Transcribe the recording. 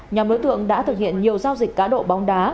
nhóm đối tượng đã thực hiện nhiều giao dịch cá độ bóng đá